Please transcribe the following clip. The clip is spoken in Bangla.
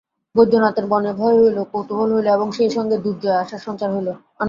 বৈদ্যনাথের মনে ভয় হইল, কৌতূহল হইল এবং সেইসঙ্গে দুর্জয় আশার সঞ্চার হইল।